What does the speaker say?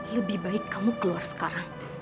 lebih baik kamu keluar sekarang